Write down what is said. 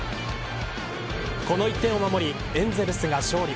この１点を守りエンゼルスが勝利。